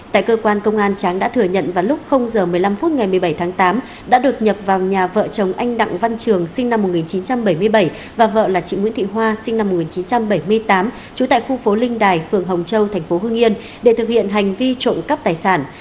tại cơ quan công an tráng đã thừa nhận vào lúc giờ một mươi năm phút ngày một mươi bảy tháng tám đã đột nhập vào nhà vợ chồng anh đặng văn trường sinh năm một nghìn chín trăm bảy mươi bảy và vợ là chị nguyễn thị hoa sinh năm một nghìn chín trăm bảy mươi tám trú tại khu phố linh đài phường hồng châu thành phố hương yên để thực hiện hành vi trộm cắp tài sản